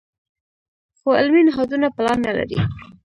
خو علمي نهادونه پلان نه لري.